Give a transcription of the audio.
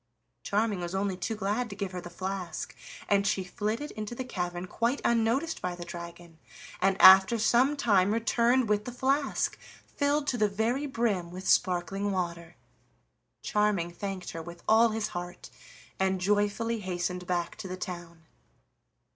Charming was only too glad to give her the flask, and she flitted into the cavern quite unnoticed by the dragon, and after some time returned with the flask, filled to the very brim with sparkling water. Charming thanked her with all his heart, and joyfully hastened back to the town.